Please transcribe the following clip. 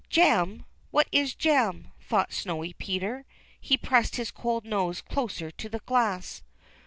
"Jam! what is jam?" thought Snowy Peter. He pressed his cold nose closer to the glass.